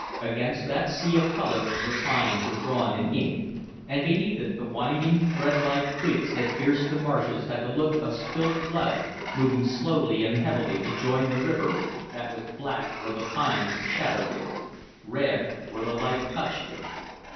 Against that sea of color the pines were drawn in ink, and beneath it the winding, threadlike creeks that pierced the marshes had the look of spilt blood moving slowly and heavily to join the river that was black where the pines shadowed it, red where the light touched it.